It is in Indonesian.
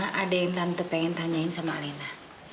alina ada yang tante pengen tanyain sama alina